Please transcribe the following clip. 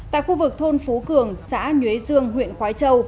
tại khu vực thôn phú cường xã nhuế dương huyện khói châu